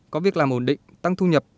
có việc làm ổn định tăng thu nhập